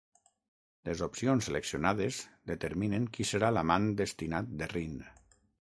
Les opcions seleccionades determinen qui serà l'amant destinat de Rin.